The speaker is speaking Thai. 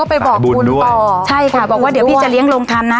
พี่ก็ไปบอกบุญด้วยใช่ค่ะบอกว่าเดี๋ยวพี่จะเลี้ยงโรงทางนะ